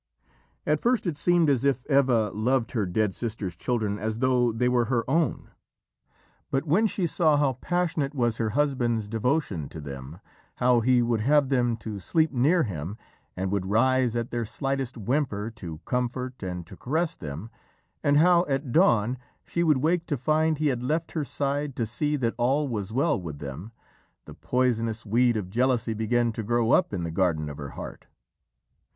At first it seemed as if Eva loved her dead sister's children as though they were her own. But when she saw how passionate was her husband's devotion to them, how he would have them to sleep near him and would rise at their slightest whimper to comfort and to caress them, and how at dawn she would wake to find he had left her side to see that all was well with them, the poisonous weed of jealousy began to grow up in the garden of her heart.